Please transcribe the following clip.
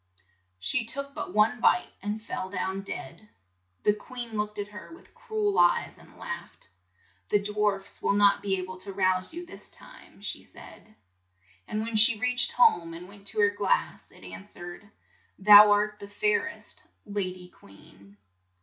She took but one bite, and fell down dead. The queen looked at her with cru el eyes, and laughed. "The dwarfs will not be a ble to rouse you this time," she said. And when she reached home, and went to her glass, it an swered :" Thou art the fair est, la dy queen."